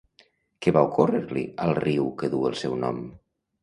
Què va ocórrer-li al riu que du el seu nom?